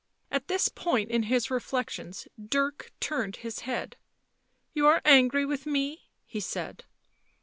At this point in his reflections Dirk turned his head. " You are angry with me," he said.